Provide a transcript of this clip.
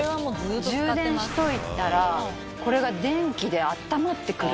充電しといたら、これが電気であったまってくる。